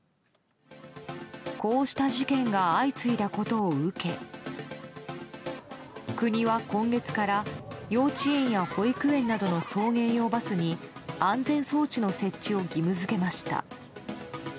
こうした事件が相次いだことを受け国は今月から幼稚園や保育園などの送迎用バスに安全装置の設置を義務付けました。